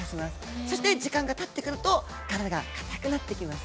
そして時間がたってくると体がかたくなってきます。